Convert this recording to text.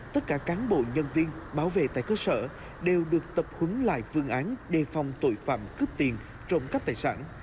tất cả cán bộ nhân viên bảo vệ tại cơ sở đều được tập hứng lại phương án đề phòng tội phạm cướp tiền trộm cắp tài sản